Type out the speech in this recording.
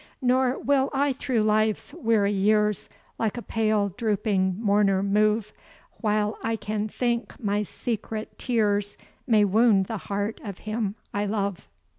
Nor will I through life's weary years, Like a pale drooping mourner move, While I can think my secret tears May wound the heart of him I love.